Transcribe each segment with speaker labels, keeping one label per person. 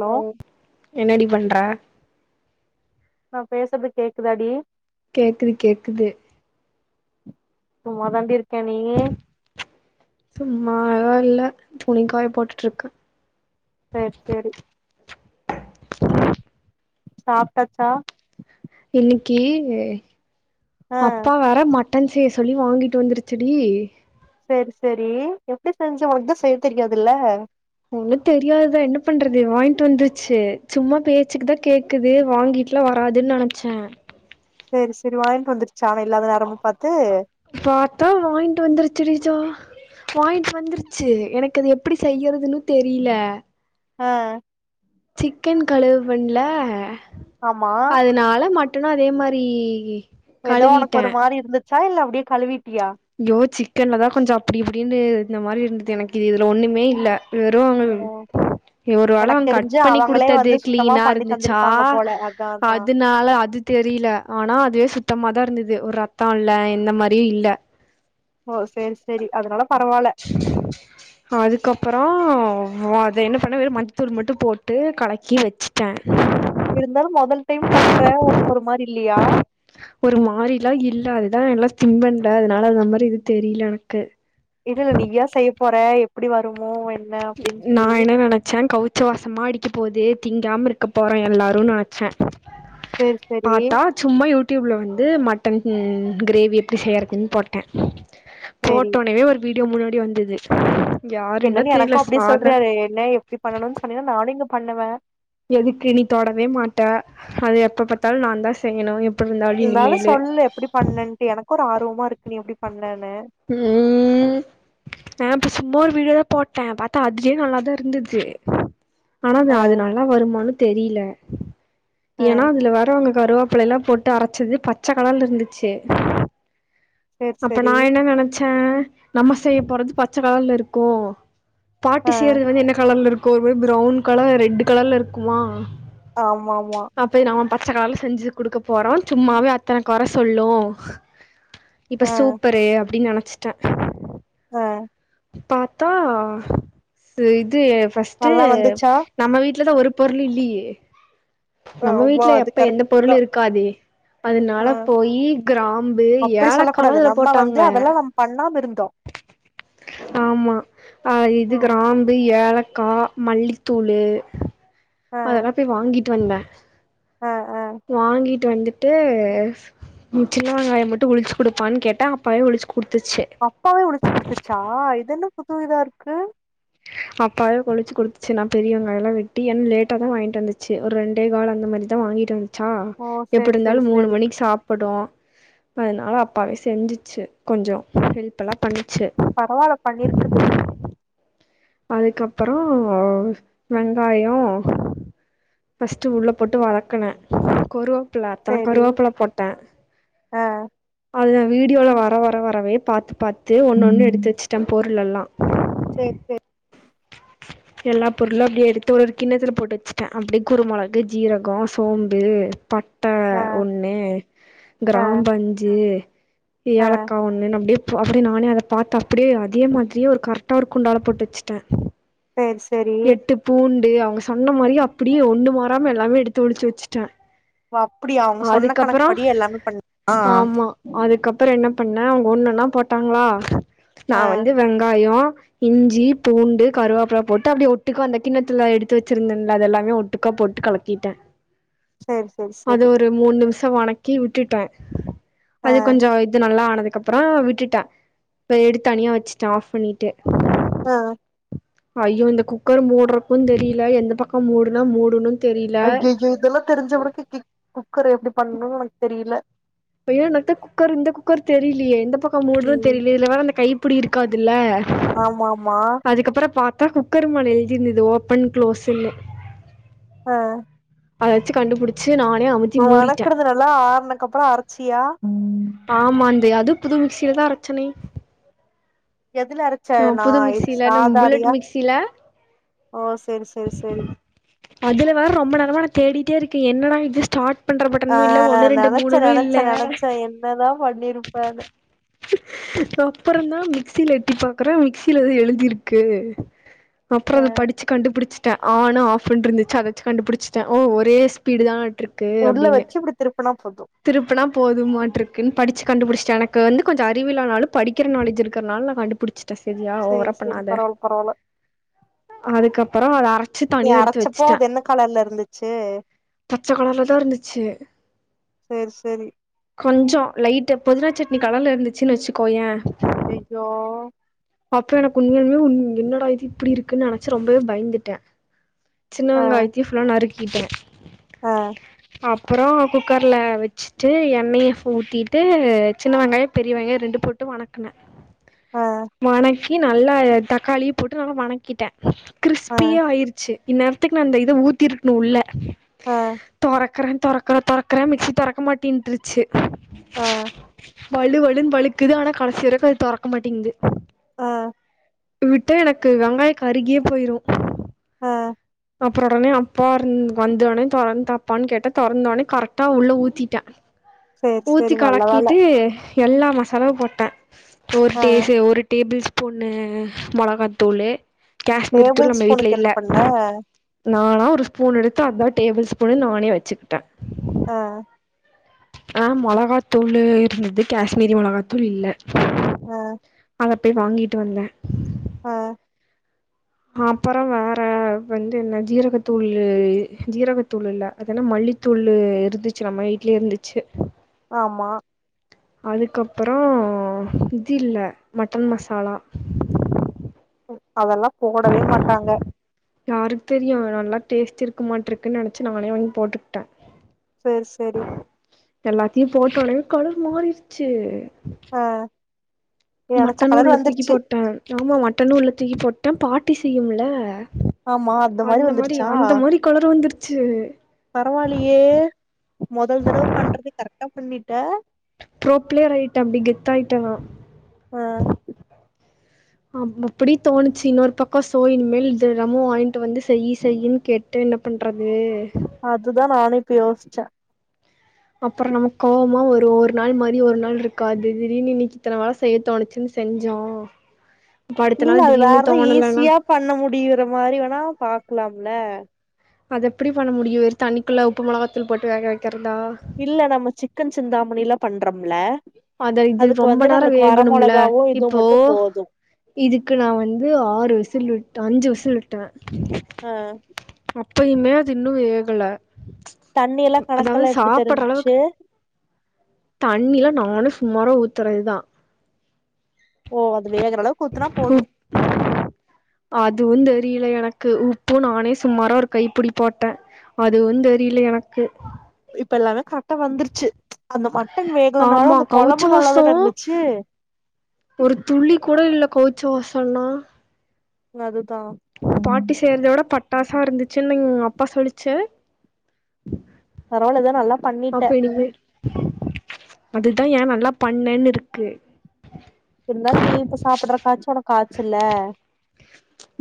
Speaker 1: Hello என்னடி பண்ற
Speaker 2: நா பேசறது கேக்குதாடி
Speaker 1: கேக்குது கேக்குது
Speaker 2: சும்மா தாண்டி இருக் க நீயி
Speaker 1: அத இல்ல துணிக்காய போட்டுட்டு இருக்கு
Speaker 2: சேரி சேரி
Speaker 1: [inaudible]
Speaker 2: சாப்ட்டாச்சா
Speaker 1: இன்னிக்கி
Speaker 2: ஆ
Speaker 1: அப்பா வேற மட் ட்டன் செய்ய சொல்லி ஓங்கிட்ட வந்துருச்சுடி
Speaker 2: சேரி சேரி எப்டி செஞ்ச உனக்கு தா செய்ய தெரியாதுல்ல
Speaker 1: ஒண்ணு தெரியாது. என்ன பண்றது வாங்கிட்டு வந்துச்சு சும்மா பேச்சுக்குதா கேக்குது வாங்கிட்டுலா வராதுன் நனைச்சே
Speaker 2: சேரி சேரி வாங்கின்ட்டு வந்துச்சு அவன் இல்லாத நேரமா பாத்து
Speaker 1: பாத்தா வாங்கிட்டு வந்துருச்சுடி ஜோ வாங்கிட்டு வந்துருச்சு எனக்கு அது எப்டி செய்யறதுன்னு தெரில
Speaker 2: ஆ
Speaker 1: சிக்கன் கழுவுண்ல
Speaker 2: ஆமா
Speaker 1: அதனால மட் டனா அதே மாரி
Speaker 2: ஏதோ ஓனக்கு ஒரு மாரி இருந்துச்சா இல்ல அப்டியே கழுவி
Speaker 1: யோ சிக்கன்ல தா கொஞ்ச அப்டி இப்டி அப்டின்ட்டு இந்த மாரி இருந்தது எனக்கு இதுல ஒன்னுமே இல்ல வெறவாங்க
Speaker 2: ஓ
Speaker 1: ஒரு வேள
Speaker 2: எனக்கு
Speaker 1: அவங்க கட்
Speaker 2: தெரிஞ்சு
Speaker 1: பண்ணி
Speaker 2: அவங்களே
Speaker 1: குடுத்தது
Speaker 2: வந்து சுத்தமா
Speaker 1: கிளீனா
Speaker 2: பண்ணி
Speaker 1: இருந்துச்சா
Speaker 2: தந்திருப்பாங்க போல அதா அதா
Speaker 1: அதுனால அது தெரில ஆனா அது சுத்தமாதாருந்தது து ஒரு ரத்த இல்ல இந்த மாரி இல்ல
Speaker 2: ஓ சரி சரி அதனால பரவால்ல
Speaker 1: அதுக்கப்பறோ அத என்ன பண்ணோ வெரு மஞ்சத்தூள் மட்டு போட்டு கலக்கி வச்சிட்டே
Speaker 2: இருந்தாலு மொதல் டைம் பண்ற ஒனக்கு ஒரு மாரி இல்லையா
Speaker 1: ஒரு மாரிலா இல்ல அதுதா என்னால திங் பண்ல அதனால அந்த மாரி இது தெரியல எனக்கு
Speaker 2: இதுல நீயா செய்ய போற எப் டி வருமோ என்
Speaker 1: நா என்ன நெனைச்சே கவுச்சி வாசமா அடிக்க போது திங்காம இருக்க போறோ எல்லாருனு நெனச்சே
Speaker 2: சேரி சேரி
Speaker 1: பாத்தா சும்மா யூட் ட்யூப்ல வந்து மட்டன் கிரேவி எப்படி செய்யறதுன்னு போட்டே
Speaker 2: சேரி
Speaker 1: போட்டோனவே ஒரு வீட் யோ முன்னாடி வந்துது யாருன்லா
Speaker 2: க்கோ அப்டி
Speaker 1: சாதா
Speaker 2: சொல்றாறு இல்ல எப்டி பண்ணணும்னு சொன்னீனா நானு ங்கு பண்ணுவ
Speaker 1: எதுக்கு நீ தொடவே மாட்ட அது எப்ப பாத்தாலு நா தா செய்யணு எப்டி
Speaker 2: இருந்தாலு
Speaker 1: இனிமேலு
Speaker 2: சொல்லு எப்டி பண்ணன்ட்டு எனக்கு ஒரு ஆர்வமா இருக்கு நீ எப்படி பண்ணனு
Speaker 1: ம் ஆ இப்ப சும்மா ஒரு வீடியோதா போட்டே பாத்தா அதுலயே நல்லாதா இருந்துது ஆனாவே
Speaker 2: ஆ
Speaker 1: அது நாலு மானு தெரியல
Speaker 2: ஆ
Speaker 1: ஏனா அதுல வரவங்க கருவாப்பழ லா போட்டு அரைச்சது பச்ச கலர்ல இருந்துச்சு
Speaker 2: சேரி
Speaker 1: அப்ப நா
Speaker 2: சேரி
Speaker 1: என்ன நெனைச்சே ஆ நம்ம செய்ய போறது பச்ச கலர்ல இருக்கு பாட்டி
Speaker 2: ஆ
Speaker 1: செய்றது வந்து என்ன கலர்ல இருக் கொர்மார் ப்ரவுன் கலர் ரெட்டு கலர்ல இருக்குமா
Speaker 2: ஆமாமா
Speaker 1: ச் நாலு செஞ்சு கொடுக்க போறோ சும்மாவே அத்தன கொர சொல்லு இப்ப
Speaker 2: ஆ
Speaker 1: சூப்பரு அப்டின்னு நென ச்டே
Speaker 2: ஆ
Speaker 1: பாத்தா ஸெ து ஃபர்ஸ்டு
Speaker 2: நல்லா வந்துச்சா
Speaker 1: நம்ம வீட்ல தா ஒரு பொருள் இல்லயே
Speaker 2: ஆ
Speaker 1: நம்ம
Speaker 2: வா
Speaker 1: வீட்ல
Speaker 2: அது
Speaker 1: எப்ப எந்த
Speaker 2: கரெக்ட்
Speaker 1: பொருள்
Speaker 2: தா
Speaker 1: இருக்காதே அதனால
Speaker 2: ஆ
Speaker 1: போய் கிராம்பு
Speaker 2: அப்டி சொல்ல
Speaker 1: ஏலக்காலா
Speaker 2: கூடாது
Speaker 1: இதுல
Speaker 2: நம்ம வந்து
Speaker 1: போட்டாங்க
Speaker 2: அதெல்லா நம்ம பண்ணாம இருந்தோ
Speaker 1: ஆமா அ இது
Speaker 2: ம்
Speaker 1: கிராம்பு ஏ ஏலக்கா மல்லித்தூளு
Speaker 2: ஆ
Speaker 1: அதெல்லா போய் வாங்கிட் தொன்ன
Speaker 2: ஆ ஆ
Speaker 1: வாங்கிட் ட்டு வந்துட்டு சின்ன வெங்காயோ மட்டு ஒழிச்சு குடுப்பானு கேட்டா அப்பவே ஒழிச்சு [unintelligible] குடுத்துச்சு
Speaker 2: காவே உழிச்சு குடுத்துச்சா இதன்ன புதுஇதா இருக்கு
Speaker 1: அப்பாவே உழிச்சு குடுத்துச்சு நா பெரிய வெங்காயோலா வெட்டி ஏனா லேட்டா தா வாங்கிட்டு வந்துச்சு ஒரு ரெண்டே கால் அந்த மாரிதா வாங்கிட்டு வந்து சா
Speaker 2: ஓ
Speaker 1: எப்டி
Speaker 2: சேரி
Speaker 1: இருந்தாலு
Speaker 2: சேரி
Speaker 1: மூணு
Speaker 2: சேரி
Speaker 1: மணிக்கு சாப்பிடு ப அதனால அப்பாவே செஞ்சிச்சு கொஞ்சோ ஹெல்ப்பல்லா பண்ணி
Speaker 2: பரவால்ல பண்ணிருக்குது
Speaker 1: அதுக்கப்பறோ வெங்காயோ ஃபர்ஸ்ட் உள்ள போட்டு வதக்குனே ப்ல அத்தன
Speaker 2: சேரி
Speaker 1: கருவாப்பல போட்டே
Speaker 2: ஆ
Speaker 1: அது நா வீடியோல வர வர வரவே பாத்து பாத் து ஒண்ணு ஒண்ணு எடுத்து வச்சுட்டே போர் பிள்ளல்லா
Speaker 2: செரி செரி
Speaker 1: எல்லா பொருளு அப்டியே எடுத்து ஒரு கிண்ணத்துல போட்டு வச்சுட்டே அப்டியே குருமொளகு ஜீரகோ சோம்பு பட் ட்ட
Speaker 2: ஆ
Speaker 1: ஒண்ணு
Speaker 2: ஆ
Speaker 1: கிராம்பு அஞ்ஜு
Speaker 2: ஆ
Speaker 1: ஏலக்கா ஒண்ணுனு அப்டியே ஸோ அப்டி நானே அத பாத்து அப்டியே அதயே மாதிரியே ஒரு கரெக்டா ஒரு குண்டால போட்டாச்சு த்த
Speaker 2: சேரி செரி
Speaker 1: ஏ அவுங்க சொன்ன மாரியே அப்டியே ஒண்ணு மாறாம எல்லாமே எடுத்து ஒளிச்சு வச்சிட்டே
Speaker 2: ஓ அப்டியா அவங்க சொன்ன கணக்கு படியே எல்லாமே பண்ணியா
Speaker 1: அப்பறோ என்ன பண்ண அவங்க ஒண்ணுன்னா போட்டாங்களா நா
Speaker 2: ஆ
Speaker 1: வந்து வெங்காயோ இஞ்சி பூண்டு கருவாப்புல போட்டு அப்பயே ஒட்டுக்கா அந்த கிண்ணத்துல எடுத்து வச்சிருந்தேன்ல அதெல்லாமே ஒட்டுக்கா போட்டு கலக்கிட்டே
Speaker 2: சரி சரி
Speaker 1: அது
Speaker 2: சரி
Speaker 1: ஒரு மூணு நிமிஷோ வணக்கி விட்டுட்டே
Speaker 2: ஆ
Speaker 1: அது கொஞ்ச இது நல்லா ஆனது அதுக்கப்புற விட்டுட்டே இப்ப எடுத்து தனியா வச்சுட்டே ஆஃப் பண்ணிட்டு
Speaker 2: ஆ
Speaker 1: ஐயோ இந்த குக்கர் மூடுறக்கும்ன்னு தெரில எந்த பக்கம் மூடுனா மூடணும்
Speaker 2: ஐயோயோ இதெல்லா தெரிஞ்ச உனக்கு கிக குக்கர் எப்படி பண்ணணும்னு எனக்கு தெரியல
Speaker 1: அப்பயும் எனக்கு தா குக்கர் இந்த குக்கர் தெரியலையே எந்த பக்கம் மூடுன்னனு
Speaker 2: ம்
Speaker 1: தெரியலே இதுல வேற அந்த கை அப்டி இருக்காதுல்ல
Speaker 2: ஆமா ஆமா
Speaker 1: -த்தா குக்கர் மேல எழுதி இருந்தது ஓப்பன் க்ளோஸ்ன்னு
Speaker 2: ஆ
Speaker 1: அத வச்சு கண்டுபுடிச்சு நானே அமுத்தி மூடிட்டே
Speaker 2: வணக்குது நல்லா ஆறனக்கப்புற அரைச் சியா
Speaker 1: ஆமா அந்த அது புது மிக்சிலதா அரைச்சனே
Speaker 2: எதுல அரச்ச
Speaker 1: நம்
Speaker 2: நா
Speaker 1: புது மிக்சில நம் புல்லட்
Speaker 2: சாதாலியா
Speaker 1: மிக்சில
Speaker 2: ஓ சேரி சேரி சேரி
Speaker 1: அதுல வேற ரொம்ப நேரமா நா தேடி ட்டே இருக்கு என்னடா இது ஸ்டாட்
Speaker 2: ஆ
Speaker 1: பண்றப்பட்டனு இல்ல ஒண்ணும் ரெண்டு
Speaker 2: நெனச்ச
Speaker 1: மூணு
Speaker 2: நெனச்ச
Speaker 1: இல்ல
Speaker 2: நெனச்ச என்னதா பண்ணிருப்பேன்னு
Speaker 1: அப்பற தா சிலட்டிப்பா அப்புற மிக்சில எழுதிருக்கு அப்புற
Speaker 2: ஆ
Speaker 1: அத படிச்சு கண்டுபுடிச்சு ட்ட ஆன்னு ஆஃப்ன்ட்டு இருந்துச்சு அத வச்சி கண்டுபுடிச்சட்டே ஓ ஒரே ஸ்பீடுதான்
Speaker 2: உள்ள வச்சு இப்டி திருப்பனா போ
Speaker 1: திருப்புனா போதுமாட்ட இருக்குன் படிச்சு கண்டுபுடிச்சுட்டே. எனக்கு வந்து கொஞ்ச அறிவு இல்லனாலு படிக்கிற நாலேஜ் இருக்கறனால நா கண்டுபுடிச் சுட்டே செரியா ஓவரா
Speaker 2: சேரி சேரி
Speaker 1: பண்ணாத.
Speaker 2: பரவால்ல பரவால்ல
Speaker 1: அதுக்கப்புறோ அத அரச்சு
Speaker 2: நீ
Speaker 1: தனியா எடுத்து
Speaker 2: அரச்சப்போ
Speaker 1: வச்சுட்டே.
Speaker 2: அது என்ன கலர்ல இருந்துச்சு
Speaker 1: பச்ச கலர்லதா இருந்துச்சு.
Speaker 2: சேரி சேரி
Speaker 1: கொஞ்சோ லைட்டா பொதினா சட்னி கலர்ல இருந்துச்சுன்னு வச்சு க்கோயே
Speaker 2: ஐயையோ
Speaker 1: அப்புறோ எனக்கு உண்மையாலுமே து உன் என்னடா இது இப்பிடி இருக்குன்னு நெனைச்சு ரொம்பவே பயந்துட்டே. சின்ன
Speaker 2: ஆ
Speaker 1: வெங்காயத்தயு ஃபுல்லா நறுக் க்கிட்டே
Speaker 2: ஆ
Speaker 1: அப்பறோ குக்கர் ல வச்சிட்டு எண்ணையு ஊத்திட்டு சின்ன வெங்காயோ பெரிய வெங்காயோ ரெண்டு போட்டு வனக்குனே.
Speaker 2: ஆ
Speaker 1: வனக் கி நல்லா தக்காளியு போட்டு நல்லா வனக்கிட்டே.
Speaker 2: ஆ
Speaker 1: கிரிஸ்பியா ஆயிருச்சு. இந்நேரத்துக்கு நா அந்த இத ஊத்திருக்கணு உள்ள.
Speaker 2: ஆ
Speaker 1: தொறக்கறே தொறக்கற தொற க்கற மிக்சி தொறக்க மாட்டின்ட்ருச்சு.
Speaker 2: ஆ
Speaker 1: வழுவழுன்னு வழுக்குது ஆனா கடைசி வரைக்கு அது தொறக்க மாட்டேங்குது.
Speaker 2: ஆ
Speaker 1: விட்டா எனக்கு வெங்காயோ கருகியே போயிரு.
Speaker 2: ஆ
Speaker 1: அப்புறோ உடனே அப்பா இருந் வந்தவுடனே தொறந்து தாப்பான்னு கேட்டே தொறந்தோடனே கரெக்டா உள்ள ஊத்திட்டே.
Speaker 2: சேரி
Speaker 1: ஊத்தி
Speaker 2: சேரி நல்ல வேல
Speaker 1: கலக்கிட்டு எல்லா மசாலாவு போட்டே ஒரு
Speaker 2: ஆ
Speaker 1: டே சே ஒரு டேபிள் ஸ் பூனு மொளகாத்தூளு காஷ்மீர் தூள்
Speaker 2: டேபிள்
Speaker 1: நம்ம வீட்ல
Speaker 2: ஸ்பூனுக்கு என்ன
Speaker 1: இல்ல.
Speaker 2: பண்ண
Speaker 1: நானா ஒரு ஸ்பூன் எடுத்து அதா டேபிள் ஸ்பூனுன்னு நானே வச்சுக்கிட்டே.
Speaker 2: ஆ
Speaker 1: ஆ மொளகாத்தூளு இருந்துது காஷ்மீரி மொளகாத்தூள் இல்ல.
Speaker 2: ஆ
Speaker 1: அத போய் வாங்கிட்டு வந்தே.
Speaker 2: ஆ
Speaker 1: அப்புறோ வேற வந்து என்ன ஜீரகத்தூளு இ ஜீரகத்தூளு இல்ல அது என்ன மல்லித்தூளு இருந்துச்சு நம்ம வீட்லயே இருந்துச்சு.
Speaker 2: ஆமா.
Speaker 1: அதுக்கப்பறோ இது இல்ல மட்டன் மசாலா
Speaker 2: அதெல்லா போடவே மாட்டாங்க
Speaker 1: யாருக்கு தெரியு நல்லா டேஸ்ட்டு இருக்கு மாட்டுருக்குன்னு நினைச்சு நானே வாங்கி போட்டுக்கிட்டே
Speaker 2: செரி செரி
Speaker 1: எல்லாத்தையு போட்ட உடனே கலர் மாறிடுச்சு
Speaker 2: ஆ நெனச்ச
Speaker 1: மட்டனு
Speaker 2: கலர்
Speaker 1: உள்ளத்தூக்கி
Speaker 2: வந்துருச்சு
Speaker 1: போட்டே ஆமா மட்டனு உள்ளத்தூக்கி போட்டே பாட் ட்டி செய்யும்ல
Speaker 2: ஆமா அந்த மாரி வந்துருச்சா
Speaker 1: அந்த மாரி கலர் வந்துருச்சு
Speaker 2: பரவாயில்லயே மொதல் தடவ பண்றது கரெக்டா பண்ணிட்ட
Speaker 1: ப்ரோ பிளேர் ஆயிட்டே அப்டி கெத்தாயிட்டே நா
Speaker 2: ஆ
Speaker 1: அம் அப்டி தோணுச்சு இன்னொரு பக்கோ சோ இனிமேல் திணமு வாங்கிட்டு வந்து செய் செய்ன்னு கேட்ட என்ன பண்றது
Speaker 2: அதுதா நானு இப்ப யோசிச்சே
Speaker 1: அப்பறோ நமக்கு கோவமா வரு ஒரு நாள் மாரி ஒரு நாள் இருக்காது திடீர்னு இன்னைக்கு இத்தன வேல செய்ய தோணுச்சுன்னு செஞ்சோ இப்ப அடுத்த
Speaker 2: இல்ல
Speaker 1: நாள்
Speaker 2: அது
Speaker 1: திடீர்னு
Speaker 2: வேறது
Speaker 1: தோணலன்னா
Speaker 2: ஈஸியா பண்ண முடியிற மாரி வேணா பாக்கலாம் இல்ல
Speaker 1: அது எப்டி பண்ண முடியு தன்னிக்குள்ள உப்பு மொளகாத்தூள் போட்டு வேக வைக்க
Speaker 2: இல்ல நம்ம சிக்கன் சிந்தாமணிலா பண்றோம்ல
Speaker 1: அத இது
Speaker 2: அதுக்கு
Speaker 1: ரொம்ப
Speaker 2: வந்து
Speaker 1: நேரோ
Speaker 2: நம்மளுக்கு வர
Speaker 1: வேகணும்ல
Speaker 2: மொளகாவு இதுவு
Speaker 1: இப்போ
Speaker 2: மட்டு போது
Speaker 1: இதுக்கு நா வந்து ஆறு விசில் விட்டு அஞ்சு விசி ல்விட்டே
Speaker 2: ஆ
Speaker 1: ப்பயுமே அது இன்னு வேகல
Speaker 2: தண்ணி எல்லா
Speaker 1: அதாவது
Speaker 2: கணக்கெல்லா எப்டி
Speaker 1: சாப்பட்ற
Speaker 2: தெரிஞ்சிச்சு
Speaker 1: அளவுக்கு தண்ணிலா நானு சுமாரா ஊத்துறதுதா
Speaker 2: ஓ அது வேகற அளவுக்கு ஊத்துனா போது
Speaker 1: உப் க்கு உப்பு நானே சும்மாரா ஒரு கைப்பிடி போட்டே அதுவு தெரியல எனக்கு
Speaker 2: தெல்லாமே கரெக் மட்ட வந்துருச்சு அந்த மட்டன் வேகலைனாலு
Speaker 1: ஆமா
Speaker 2: அந்த
Speaker 1: கவுச்ச
Speaker 2: கொழம்பு
Speaker 1: வாசோ
Speaker 2: நல்லாதான இருந்துச்சு
Speaker 1: ஒரு துளி கூட இல்ல கவுச்ச வாசம்னா
Speaker 2: அது
Speaker 1: பாட்டி செய்யறத விட பட் பட்டாசா இருந்துச்சுனு எங்க அப்பா சொல்லிச்சு
Speaker 2: பரவால்லதா நல்லா பண்ணிட்ட
Speaker 1: அப்ப இனிமே அதுதா ஏ நல்லா பண்ணேன்னு இருக்கு
Speaker 2: இருந்தாலு நீ இப்ப சாப்புட்ற காச்சு உனக்கு காச்சுல்ல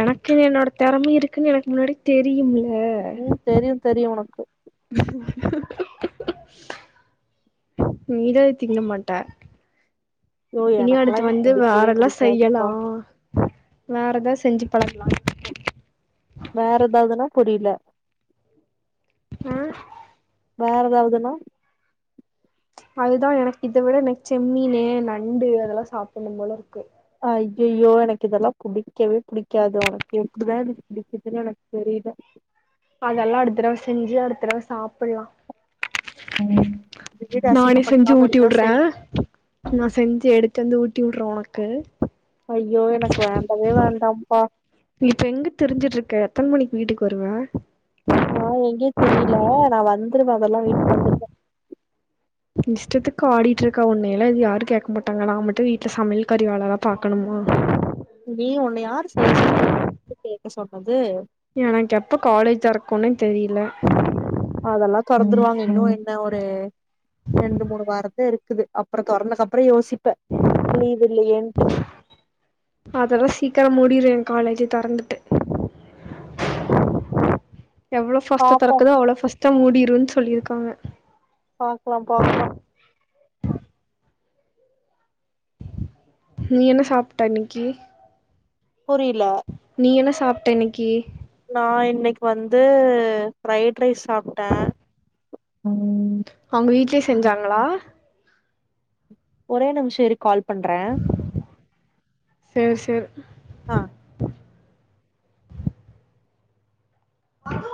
Speaker 1: எனக்குன்னு என்னோட திறம இருக்குன்னு எனக்கு முன்னாடி தெரியும்ல
Speaker 2: ம் தெரியு தெரியு உனக்கு
Speaker 1: நீ தா இது திங்கமாட்ட
Speaker 2: ஐயோ
Speaker 1: இனியு
Speaker 2: எனக்கெல்லா
Speaker 1: அடுத்து
Speaker 2: இது
Speaker 1: வந்து
Speaker 2: புடிக்கவே
Speaker 1: வேறல்லா செய்யலா
Speaker 2: புடிக்காதுப்பா
Speaker 1: வேறதா செஞ்சுப்
Speaker 2: வேற எதாவதுனா புரியல
Speaker 1: அ
Speaker 2: வேற எதாவதுன்னா
Speaker 1: அதுதா எனக்கு இதவிட எனக்கு செம்மீனு நண்டு அதெல்லா சாப்பிடனு போல இருக்கு
Speaker 2: அய்அய்யோ எனக்கு இதெல்லா புடிக்கவே புடிக்காது உனக்கு எப்படிதா இது பிடிக்குதுன்னு எனக்கு தெரியுல
Speaker 1: அதெல்லா அடுத்தரவ செஞ்சு அடுத்தரவ சாப்பலா
Speaker 2: இந்த வீடு
Speaker 1: நானே செஞ்சு
Speaker 2: அசிங்கப்படுத்தாம இருந்தா சரி
Speaker 1: ஊட்டிவுடுறே நா செஞ்சி எடுத்து வந்து ஊட்டிவுடுறே உனக்கு
Speaker 2: ஐயோ எனக்கு வேண்டவே வேண்டாம்ப்பா
Speaker 1: இப்ப எங்க திரிஞ்சிட்டு இருக்க எத்தன மணிக்கு வீட்டுக்கு வருவ
Speaker 2: ந எங்யே திரியல நா வந் த்துருவா அதெல்லா வீட்டுக்கு வந்துருவே
Speaker 1: இஷ்டத்துக்கு ஆடிட்டு இருக்கா உன்னையில இது யாரு கேட்கமாட்டாங்க நா மட்டு வீட்ல சமையல்காரி வேலதா பாக்கணுமா
Speaker 2: நீ உன்ன யாரு செய்ய சொன்னது [unintelligible] கேட்க சொன்னது
Speaker 1: இல்ல
Speaker 2: அதெல்லா தொறந்துருவாங்க இன்னு என்ன ஒரு ரெண்டு மூணு வாரத்த இருக்குது அப்புறோ தொறந்தக்கு அப்புறோ யோசிப் ப்ப லீவ் இல்லயேன்ட்டு
Speaker 1: க்கர மூடிரே எ காலேஜ தொறந்துட்டு எவ்ளோ பாஸ்ட
Speaker 2: பாப்போ
Speaker 1: தொறக்குதோ அவ்ளோ பாஸ்ட மூடிடுரு சொல்லிருக்கு [unintelligible]
Speaker 2: பாக்கலா பாக்கலா
Speaker 1: நீ என்ன சாப்ட்ட இன்னிக்கி
Speaker 2: புரியல
Speaker 1: நீ என்ன சாப்ட்ட இன்னிக்கி
Speaker 2: நா இன்னிக்கு வந்து ஃப்ரைட் ரைஸ் சாப்ட்ட
Speaker 1: அவுங்க வீட்லயே செஞ்சாங்களா
Speaker 2: ஒரே நிமிஷ இரு கால் பண்ற
Speaker 1: சேரி சேரி அதுவு